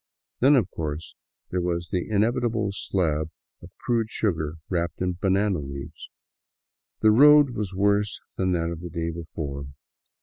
Then, of course, there was the inevitable slab of crude sugar wrapped in banana leaves. The " road " was worse than that of the day before.